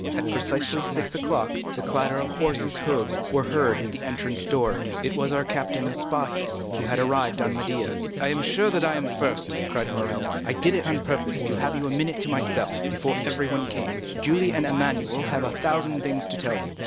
At precisely six o'clock the clatter of horses' hoofs was heard at the entrance door; it was our captain of Spahis, who had arrived on Médéah. "I am sure I am the first," cried Morrel; "I did it on purpose to have you a minute to myself, before everyone came. Julie and Emmanuel have a thousand things to tell you.